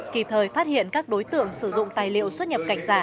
kịp thời phát hiện các đối tượng sử dụng tài liệu xuất nhập cảnh giả